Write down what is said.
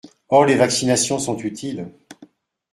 Or les vaccinations sont utiles.